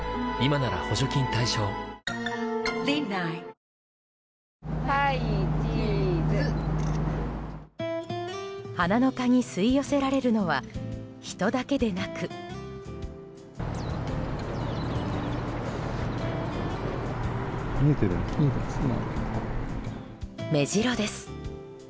東京海上日動花の香に吸い寄せられるのは人だけでなくメジロです。